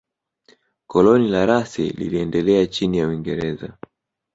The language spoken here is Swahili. Koloni la Rasi liliendelea chini ya Uingereza